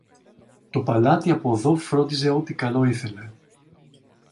Το παλάτι από δω φρόντιζε ό,τι καλό ήθελε.